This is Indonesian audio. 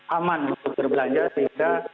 aman untuk perbelanja sehingga